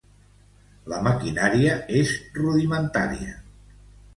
La maquinària és rudimentària.